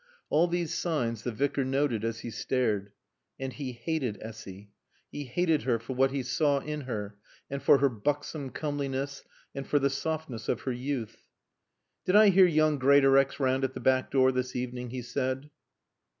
All these signs the Vicar noted as he stared. And he hated Essy. He hated her for what he saw in her, and for her buxom comeliness, and for the softness of her youth. "Did I hear young Greatorex round at the back door this evening?" he said.